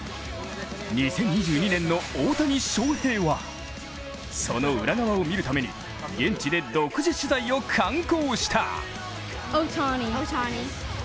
２０２２年の大谷翔平はその裏側を見るために現地で独自主材を敢行した。